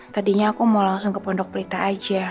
tadinya aku mau langsung ke pondok pelita aja